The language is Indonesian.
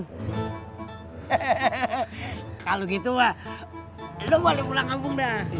hehehe kalo gitu mah lo boleh pulang kampung dah